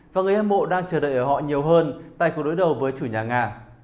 và người hâm mộ đang chờ đợi ở họ nhiều hơn tại cuộc đối đầu với chủ nhà nga